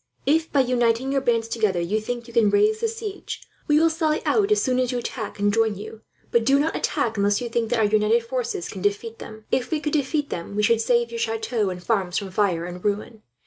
If, by uniting your bands together, you think you can raise the siege, we will sally out as soon as you attack and join you; but do not attack, unless you think that our united forces can defeat them. If we could defeat them, we should save your chateaux and farms from fire and ruin.